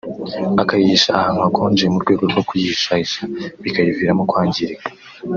akayibika ahantu hakonje mu rwego rwo kuyihishahisha bikayiviramo kwangirika